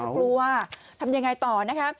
กลัวทำยังไงต่อนะคะ